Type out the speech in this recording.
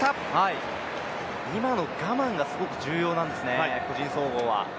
今の我慢がすごく重要なんですね、個人総合は。